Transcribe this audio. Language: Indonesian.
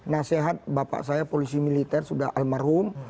nasihat bapak saya polisi militer sudah almarhum